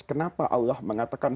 kenapa allah mengatakan